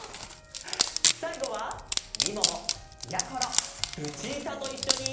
さいごはみももやころルチータといっしょに。